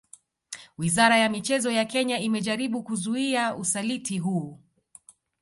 Wizara ya michezo ya Kenya imejaribu kuzuia usaliti huu